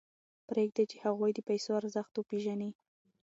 پرېږدئ چې هغوی د پیسو ارزښت وپېژني.